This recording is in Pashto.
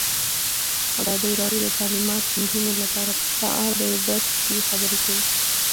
ازادي راډیو د تعلیمات د نجونو لپاره په اړه د عبرت کیسې خبر کړي.